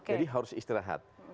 jadi harus istirahat